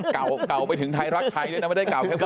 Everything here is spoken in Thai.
เก่าไปถึงไทยรักไทยด้วยนะไม่ได้เก่าแค่